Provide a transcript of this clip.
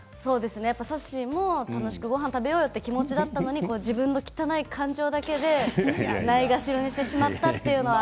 さっしーも楽しくごはんを食べようよということだったのに自分の汚い気持ちでないがしろにしてしまったというのはね。